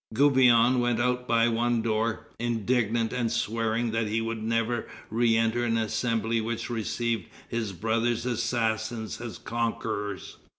Gouvion went out by one door, indignant, and swearing that he would never re enter an Assembly which received his brother's assassins as conquerors.